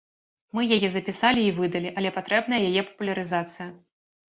Мы яе запісалі і выдалі, але патрэбная яе папулярызацыя.